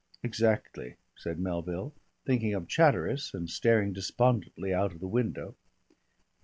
"Exactly," said Melville, thinking of Chatteris and staring despondently out of the window.